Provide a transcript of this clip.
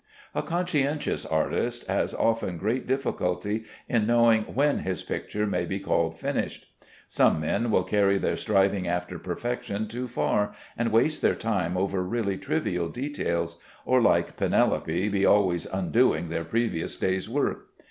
A conscientious artist has often great difficulty in knowing when his picture may be called finished. Some men will carry their striving after perfection too far, and waste their time over really trivial details, or, like Penelope, be always undoing their previous day's work.